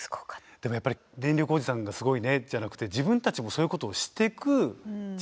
でもやっぱり「電力おじさんがすごいね」じゃなくて自分たちもそういうことをしてく知識は必要ですよね。